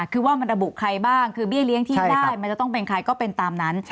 คือว่ามันระบุใครบ้างคือเบี้ยเลี้ยงที่ได้มันจะต้องเป็นใครก็เป็นตามนั้น